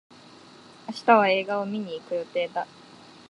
明日は映画を観に行く予定だ。